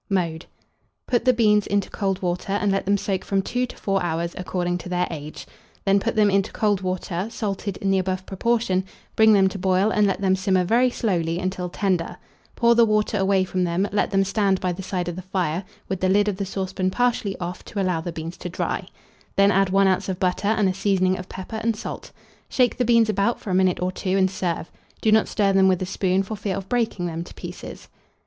Mode. Put the beans into cold water, and let them soak from 2 to 4 hours, according to their age; then put them into cold water, salted in the above proportion, bring them to boil, and let them simmer very slowly until tender; pour the water away from them, let them stand by the side of the fire, with the lid of the saucepan partially off, to allow the beans to dry; then add 1 oz. of butter and a seasoning of pepper and salt. Shake the beans about for a minute or two, and serve: do not stir them with a spoon, for fear of breaking them to pieces.